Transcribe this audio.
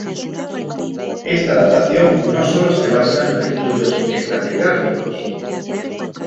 Esta datación no solo se basa en los estudios estratigráficos.